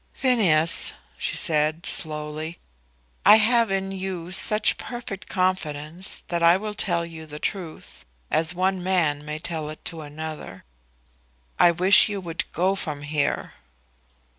"Phineas," she said, slowly, "I have in you such perfect confidence that I will tell you the truth; as one man may tell it to another. I wish you would go from here."